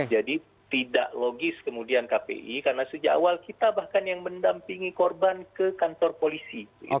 jadi tidak logis kemudian kpi karena sejak awal kita bahkan yang mendampingi korban ke kantor polisi